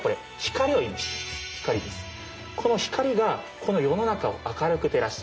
この光がこの世の中を明るく照らす。